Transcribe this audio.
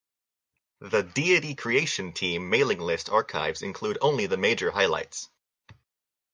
The 'Deity Creation Team' mailing list archives include only the major highlights.